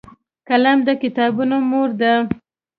قلم د کتابونو مور دی